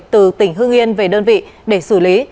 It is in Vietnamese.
từ tỉnh hưng yên về đơn vị để xử lý